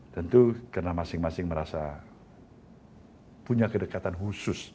tentu karena masing masing merasa punya kedekatan khusus